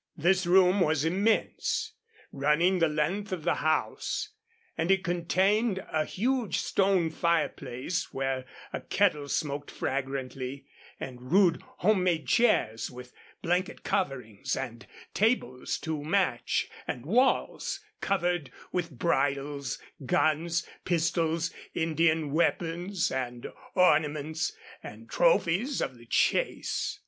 This room was immense, running the length of the house, and it contained a huge stone fireplace, where a kettle smoked fragrantly, and rude home made chairs with blanket coverings, and tables to match, and walls covered with bridles, guns, pistols, Indian weapons and ornaments, and trophies of the chase.